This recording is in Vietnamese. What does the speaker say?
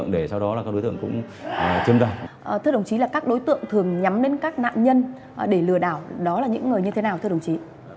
đó là những người như thế nào thưa đồng chí